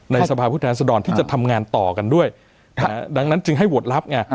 สภาพผู้แทนสดรที่จะทำงานต่อกันด้วยดังนั้นจึงให้โหวตรับไง